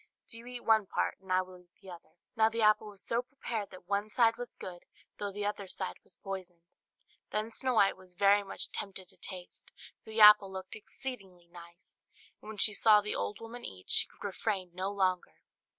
do you eat one part, and I will eat the other." Now the apple was so prepared that one side was good, though the other side was poisoned. Then Snow White was very much tempted to taste, for the apple looked exceedingly nice; and when she saw the old woman eat, she could refrain no longer.